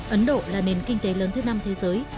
ấn độ là nền kinh tế lớn thứ năm thế giới